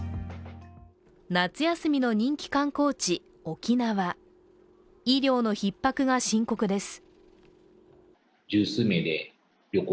夏休みの人気観光地・沖縄医療のひっ迫が深刻です。